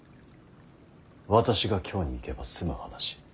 私が京に行けば済む話。